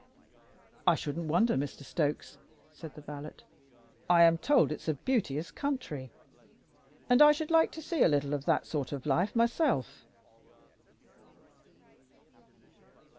"I shouldn't wonder, Mr. Stokes," said the valet. "I'm told it's a beauteous country and I should like to see a little of that sort of life myself."